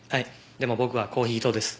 でも僕はコーヒー党です。